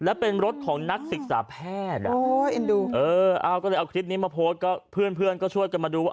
แล้วเป็นรถของนักศึกษาแพทย์ก็เลยเอาคลิปนี้มาโพสต์ก็เพื่อนเพื่อนก็ช่วยกันมาดูว่า